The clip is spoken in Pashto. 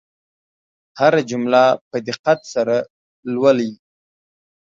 هره جمله په دقت سره لولئ.